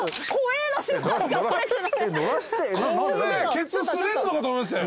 ケツ擦れんのかと思いましたよ。